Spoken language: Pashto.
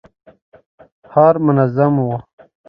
ښار منظم و.